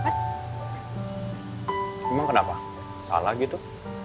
emang kenapa salah gitu